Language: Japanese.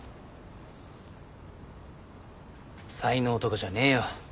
才能とかじゃねえよ。